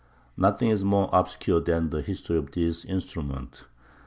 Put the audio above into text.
] Nothing is more obscure than the history of this instrument.